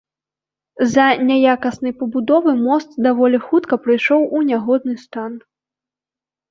З-за няякаснай пабудовы мост даволі хутка прыйшоў у нягодны стан.